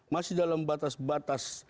masih dalam batas batas